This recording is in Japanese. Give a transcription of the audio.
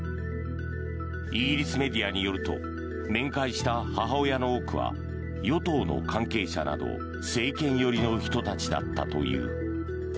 イギリスメディアによると面会した母親の多くは与党の関係者など政権寄りの人たちだったという。